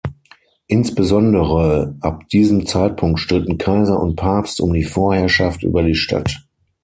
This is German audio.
Insbesondere ab diesem Zeitpunkt stritten Kaiser und Papst um die Vorherrschaft über die Stadt.